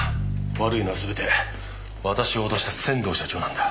悪いのはすべて私を脅した仙道社長なんだ。